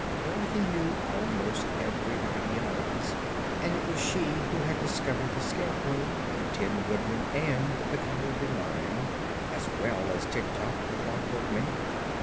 Dorothy knew almost everybody in Oz, and it was she who had discovered the Scarecrow, the Tin Woodman and the Cowardly Lion, as well as Tik Tok the Clockwork Man.